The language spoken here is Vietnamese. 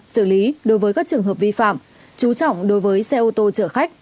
xử lý đối với các trường hợp vi phạm chú trọng đối với xe ô tô chở khách